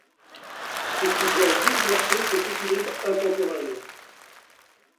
Ce qui vient bouleverser cet équilibre intemporel.